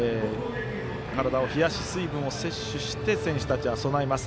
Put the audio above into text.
体を冷やし水分を摂取して選手たちは備えます。